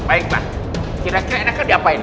baiklah kira kira enaknya diapain